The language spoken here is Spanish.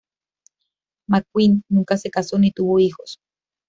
McQueen nunca se casó ni tuvo hijos.